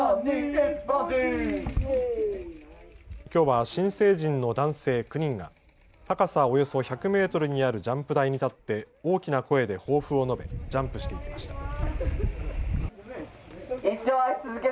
きょうは新成人の男性９人が高さおよそ１００メートルにあるジャンプ台に立って大きな声で抱負を述べ、ジャンプしていきました。